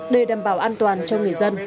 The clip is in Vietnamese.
để đảm bảo an toàn cho người dân